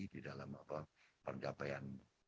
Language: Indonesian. di dalam pencapaian